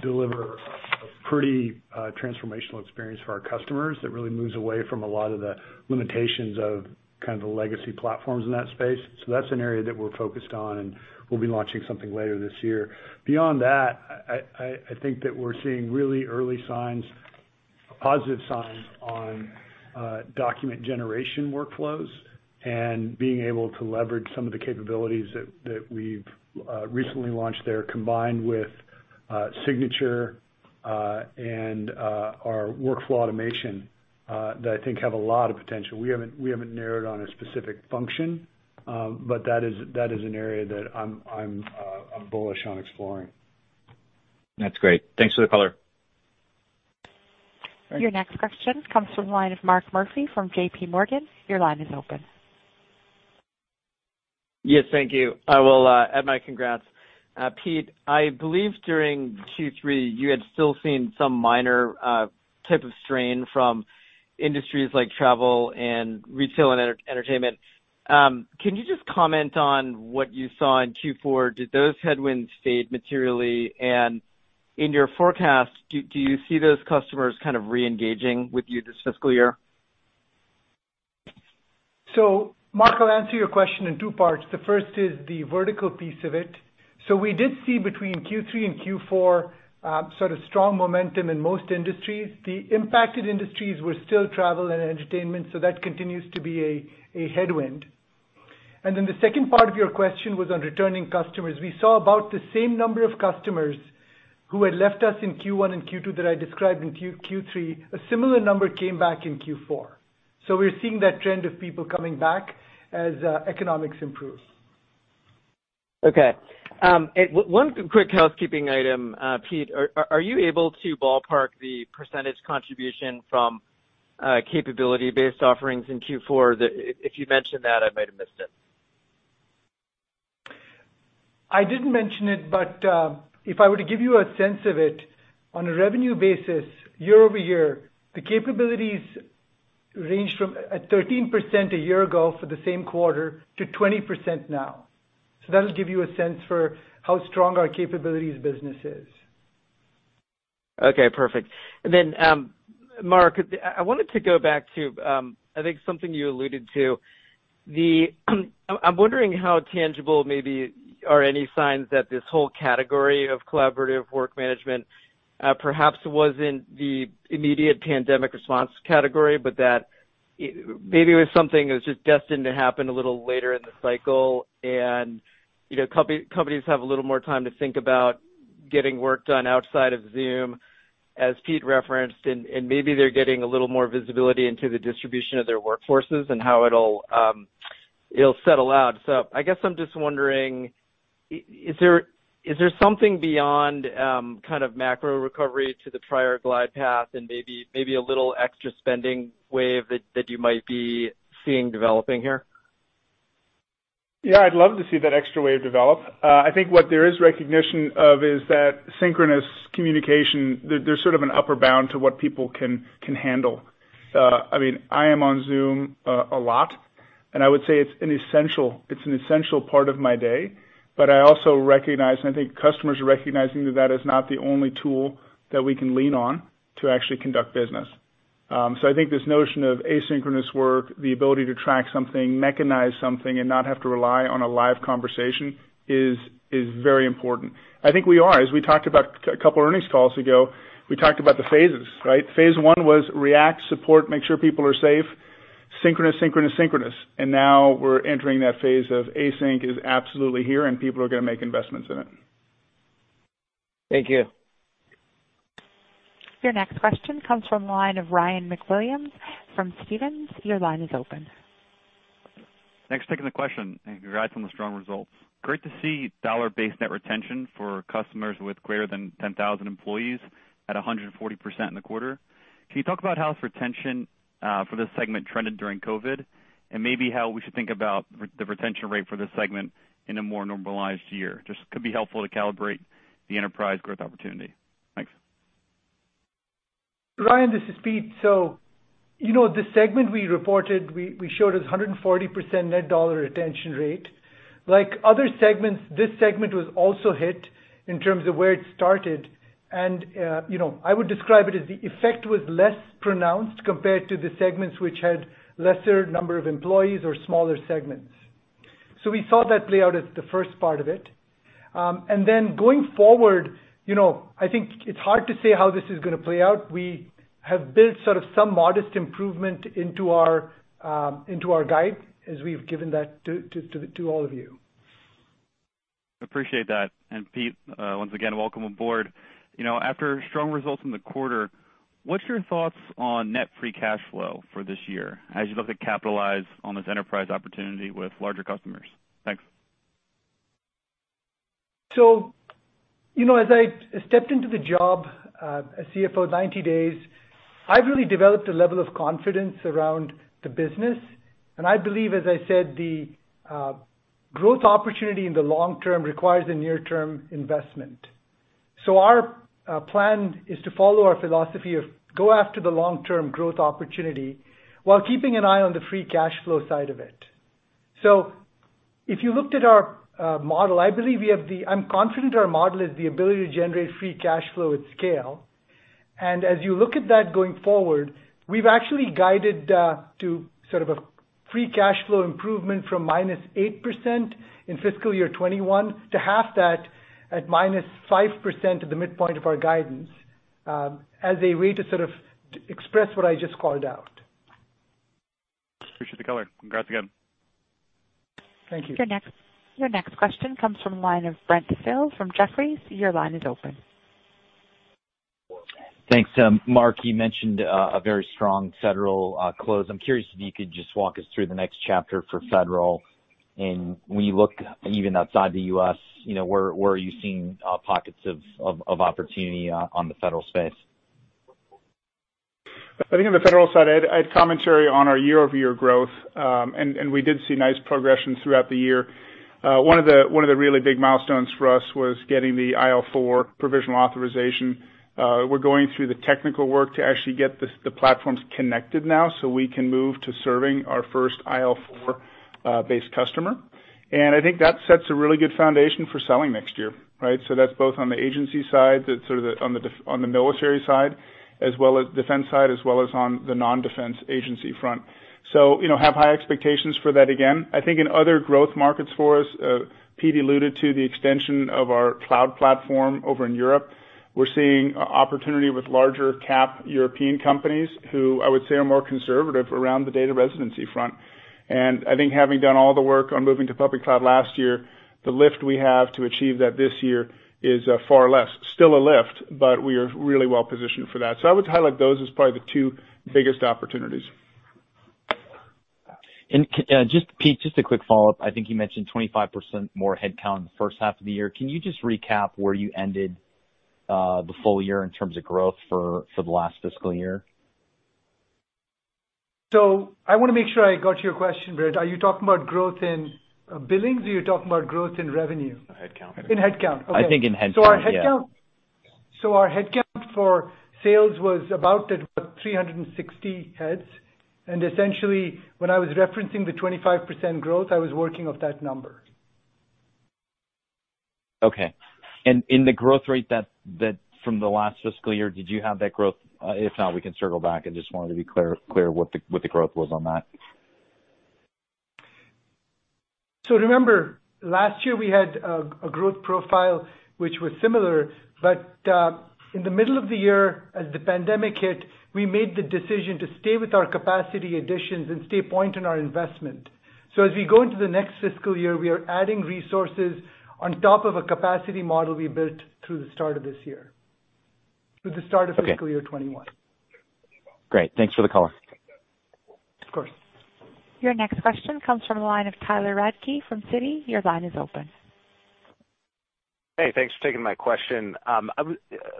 deliver a pretty transformational experience for our customers that really moves away from a lot of the limitations of the legacy platforms in that space. That's an area that we're focused on, and we'll be launching something later this year. Beyond that, I think that we're seeing really early signs, positive signs on document generation workflows, and being able to leverage some of the capabilities that we've recently launched there, combined with signature, and our workflow automation, that I think have a lot of potential. We haven't narrowed on a specific function, but that is an area that I'm bullish on exploring. That's great. Thanks for the color. Your next question comes from the line of Mark Murphy from JPMorgan. Your line is open. Yes. Thank you. I will add my congrats. Pete, I believe during Q3, you had still seen some minor type of strain from industries like travel and retail and entertainment. Can you just comment on what you saw in Q4? Did those headwinds fade materially? In your forecast, do you see those customers kind of re-engaging with you this fiscal year? Mark, I'll answer your question in two parts. The first is the vertical piece of it. We did see between Q3 and Q4, sort of strong momentum in most industries. The impacted industries were still travel and entertainment, so that continues to be a headwind. The second part of your question was on returning customers. We saw about the same number of customers who had left us in Q1 and Q2 that I described in Q3. A similar number came back in Q4. We're seeing that trend of people coming back as economics improve. Okay. One quick housekeeping item, Pete, are you able to ballpark the % contribution from capability-based offerings in Q4? If you mentioned that, I might have missed it. I didn't mention it, but if I were to give you a sense of it, on a revenue basis year-over-year, the capabilities ranged from 13% a year ago for the same quarter to 20% now. That'll give you a sense for how strong our capabilities business is. Okay, perfect. Then, Mark, I wanted to go back to, I think something you alluded to. I'm wondering how tangible maybe are any signs that this whole category of collaborative work management, perhaps wasn't the immediate pandemic response category, but that maybe it was something that was just destined to happen a little later in the cycle, and companies have a little more time to think about getting work done outside of Zoom, as Pete referenced, and maybe they're getting a little more visibility into the distribution of their workforces and how it'll settle out. I guess I'm just wondering, is there something beyond kind of macro recovery to the prior glide path and maybe a little extra spending wave that you might be seeing developing here? Yeah, I'd love to see that extra wave develop. I think what there is recognition of is that synchronous communication, there's sort of an upper bound to what people can handle. I am on Zoom a lot, and I would say it's an essential part of my day. I also recognize, and I think customers are recognizing that is not the only tool that we can lean on to actually conduct business. I think this notion of asynchronous work, the ability to track something, mechanize something, and not have to rely on a live conversation is very important. I think we are, as we talked about a couple of earnings calls ago, we talked about the phases, right? Phase one was react, support, make sure people are safe, synchronous. Now we're entering that phase of async is absolutely here, and people are going to make investments in it. Thank you. Your next question comes from the line of Ryan MacWilliams from Stephens. Your line is open. Thanks. Taking the question, and congrats on the strong results. Great to see dollar-based net retention for customers with greater than 10,000 employees at 140% in the quarter. Can you talk about how retention for this segment trended during COVID, and maybe how we should think about the retention rate for this segment in a more normalized year? Just could be helpful to calibrate the enterprise growth opportunity. Thanks. Ryan, this is Pete. The segment we reported, we showed as 140% net dollar retention rate. Like other segments, this segment was also hit in terms of where it started. I would describe it as the effect was less pronounced compared to the segments which had lesser number of employees or smaller segments. We saw that play out as the first part of it. Going forward, I think it's hard to say how this is going to play out. We have built some modest improvement into our guide as we've given that to all of you. Appreciate that. Pete, once again, welcome aboard. After strong results in the quarter, what's your thoughts on net free cash flow for this year as you look to capitalize on this enterprise opportunity with larger customers? Thanks. As I stepped into the job as CFO, 90 days, I've really developed a level of confidence around the business, and I believe, as I said, the growth opportunity in the long term requires a near-term investment. Our plan is to follow our philosophy of go after the long-term growth opportunity while keeping an eye on the free cash flow side of it. If you looked at our model, I'm confident our model is the ability to generate free cash flow at scale. As you look at that going forward, we've actually guided to sort of a free cash flow improvement from -8% in fiscal year 2021 to half that at -5% at the midpoint of our guidance, as a way to sort of express what I just called out. Appreciate the color. Congrats again. Thank you. Your next question comes from the line of Brent Thill from Jefferies. Your line is open. Thanks. Mark, you mentioned a very strong federal close. I'm curious if you could just walk us through the next chapter for federal, and when you look even outside the U.S., where are you seeing pockets of opportunity on the federal space? I think on the federal side, I had commentary on our year-over-year growth, and we did see nice progression throughout the year. One of the really big milestones for us was getting the IL4 provisional authorization. We're going through the technical work to actually get the platforms connected now so we can move to serving our first IL4-based customer. I think that sets a really good foundation for selling next year, right? That's both on the agency side, on the military side, defense side, as well as on the non-defense agency front. Have high expectations for that again. I think in other growth markets for us, Pete alluded to the extension of our cloud platform over in Europe. We're seeing opportunity with larger cap European companies who I would say are more conservative around the data residency front. I think having done all the work on moving to public cloud last year, the lift we have to achieve that this year is far less. Still a lift, but we are really well positioned for that. I would highlight those as probably the two biggest opportunities. Pete, just a quick follow-up. I think you mentioned 25% more headcount in the first half of the year. Can you just recap where you ended the full year in terms of growth for the last fiscal year? I want to make sure I got your question, Brent. Are you talking about growth in billings or are you talking about growth in revenue? Headcount. In headcount. Okay. I think in headcount, yeah. Our headcount for sales was about at 360 heads, and essentially, when I was referencing the 25% growth, I was working off that number. Okay. In the growth rate from the last fiscal year, did you have that growth? If not, we can circle back. I just wanted to be clear what the growth was on that. Remember, last year we had a growth profile which was similar, but in the middle of the year, as the pandemic hit, we made the decision to stay with our capacity additions and stay put in our investment. As we go into the next fiscal year, we are adding resources on top of a capacity model we built through the start of this year, through the start of fiscal year 2021. Great. Thanks for the color. Of course. Your next question comes from the line of Tyler Radke from Citi. Your line is open. Hey, thanks for taking my question. I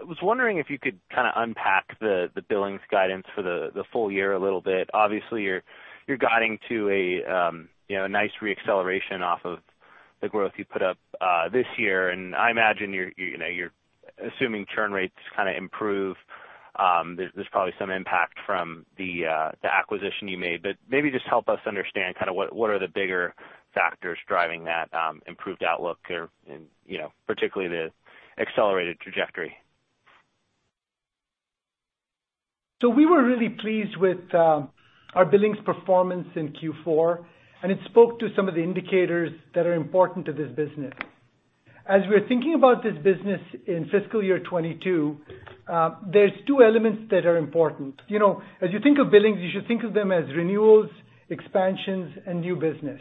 was wondering if you could kind of unpack the billings guidance for the full year a little bit. Obviously, you're guiding to a nice re-acceleration off of the growth you put up this year, and I imagine you're assuming churn rates kind of improve. There's probably some impact from the acquisition you made, but maybe just help us understand what are the bigger factors driving that improved outlook there, and particularly the accelerated trajectory. We were really pleased with our billings performance in Q4, and it spoke to some of the indicators that are important to this business. As we're thinking about this business in fiscal year 2022, there's two elements that are important. As you think of billings, you should think of them as renewals, expansions, and new business.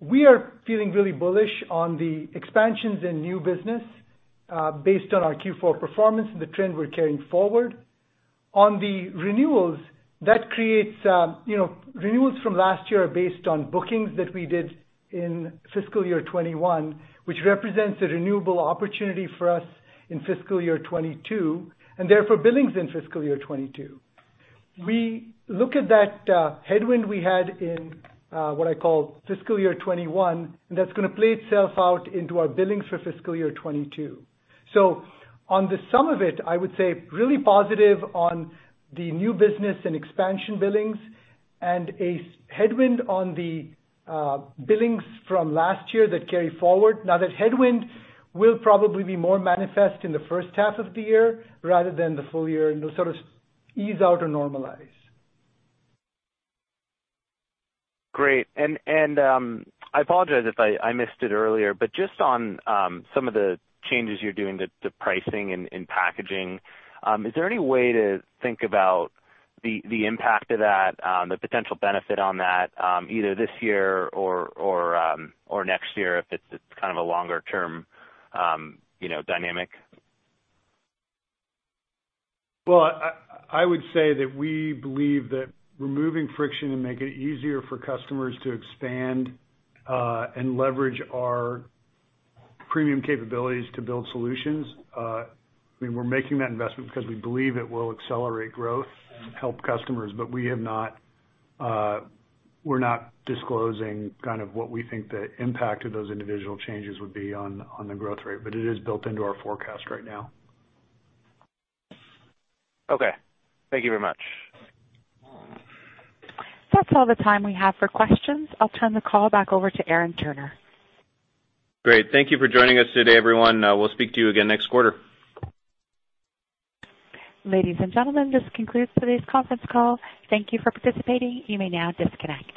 We are feeling really bullish on the expansions in new business based on our Q4 performance and the trend we're carrying forward. On the renewals from last year are based on bookings that we did in fiscal year 2021, which represents a renewable opportunity for us in fiscal year 2022, and therefore billings in fiscal year 2022. We look at that headwind we had in what I call fiscal year 2021, and that's going to play itself out into our billings for fiscal year 2022. On the sum of it, I would say really positive on the new business and expansion billings and a headwind on the billings from last year that carry forward. That headwind will probably be more manifest in the first half of the year rather than the full year and it'll sort of ease out or normalize. Great. I apologize if I missed it earlier, but just on some of the changes you're doing to pricing and packaging, is there any way to think about the impact of that, the potential benefit on that, either this year or next year, if it's kind of a longer-term dynamic? Well, I would say that we believe that removing friction and making it easier for customers to expand and leverage our premium capabilities to build solutions, we're making that investment because we believe it will accelerate growth and help customers. We're not disclosing kind of what we think the impact of those individual changes would be on the growth rate. It is built into our forecast right now. Okay. Thank you very much. That's all the time we have for questions. I'll turn the call back over to Aaron Turner. Great. Thank you for joining us today, everyone. We'll speak to you again next quarter. Ladies and gentlemen, this concludes today's conference call. Thank you for participating. You may now disconnect.